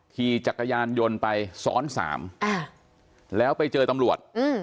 ขี่จักรยานยนต์ไปซ้อน๓แล้วไปเจอตำรวจ